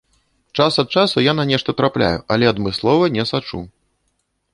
Час ад часу я на нешта трапляю, але адмыслова не сачу!